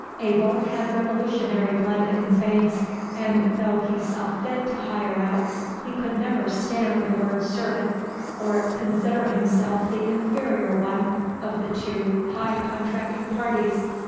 Abel had Revolutionary blood in his veins, and though he saw fit to "hire out," he could never stand the word "servant," or consider himself the inferior one of the two high contracting parties.